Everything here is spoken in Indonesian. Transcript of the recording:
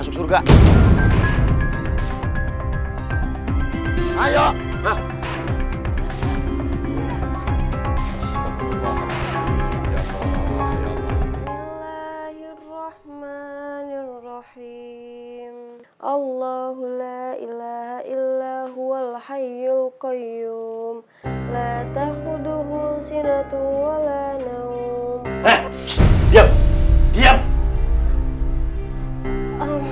hai allahulailahaillahu alhayyu kayyum latahuduhu sinatu walanaum